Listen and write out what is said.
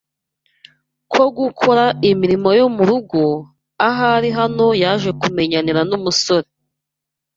ko gukora imirimo yo mu rugo, aha ari naho yaje kumenyanira n’umusore